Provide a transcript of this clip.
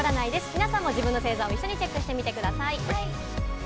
皆さんも自分の星座を一緒にチェックしてみてください。